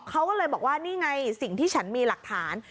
เขาก็เลยบอกว่านี่ไงสิ่งที่ฉันมีหลักฐาน